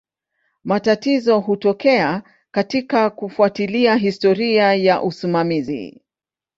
Matatizo hutokea katika kufuatilia historia ya usimamizi.